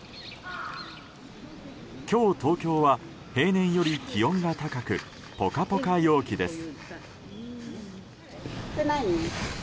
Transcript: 今日、東京は平年より気温が高くポカポカ陽気です。